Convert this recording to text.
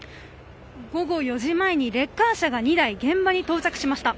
午後４時前にレッカー車が２台現場に到着しました。